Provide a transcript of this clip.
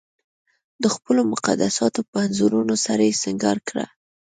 د خپلو مقدساتو په انځورونو سره یې سنګار کړه.